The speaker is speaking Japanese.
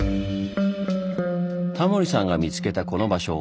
タモリさんが見つけたこの場所